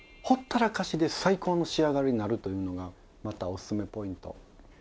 ほったらかしで最高の仕上がりになるというのがまたおすすめポイント。